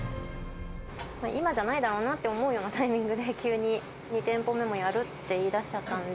今じゃないだろうなって思うようなタイミングで、急に、２店舗目もやるって言いだしちゃったんで。